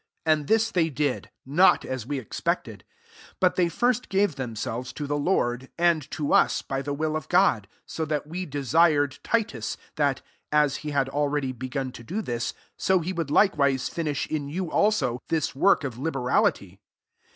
5 And this they did, not as we expected ; but they first gave themselves to the Lord, and to us, by the will of God ; 6 so that we desir ed Titus, that, as he had already begun to do this, so he would likewise finish in you also this work of liberality.